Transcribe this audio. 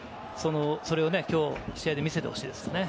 それをきょう試合で見せてほしいですね。